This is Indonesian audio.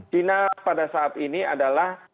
china pada saat ini adalah